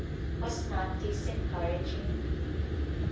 Was not this encouraging